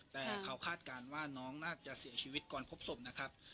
แต่เขาคาดการณ์ว่าน้องน่าจะเสียชีวิตก่อนพบศพนะครับ